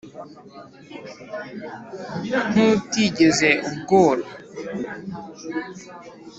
nk'utigeze ubworo